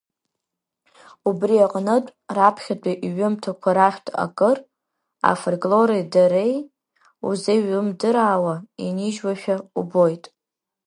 Убри аҟнытә, раԥхьатәи иҩымҭақәа рахьтә акыр, афольклори дареи узеиҩымдыраауа инижьуашәа убоит.